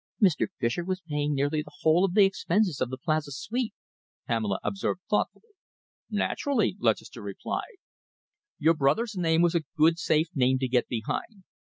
"Mr. Fischer was paying nearly the whole of the expenses of the Plaza suite," Pamela observed thoughtfully. "Naturally," Lutchester replied. "Your brother's name was a good, safe name to get behind.